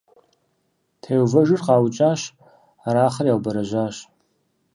Теувэжыр къаукӀащ, Арахъыр яубэрэжьащ.